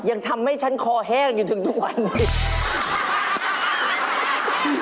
ยังทำให้ฉันคอแห้งอยู่ถึงทุกวันนี้